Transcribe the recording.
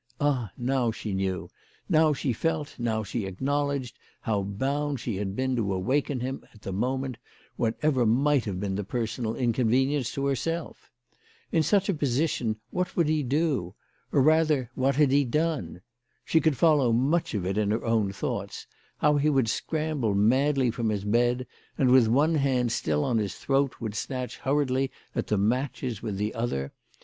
Ah, now she knew, now she felt, now she acknowledged how bound she had been to awaken him at the moment, whatever might have been the personal inconvenience to herself ! In such a position what would he do or rather what had he done? She could follow much of it in her own thoughts ; how he would scramble madly from his bed, and, with one hand still on his throat, would snatch hurriedly at the matches with the other.